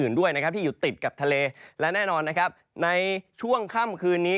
อื่นด้วยที่อยู่ติดกับทะเลและแน่นอนในช่วงค่ำคืนนี้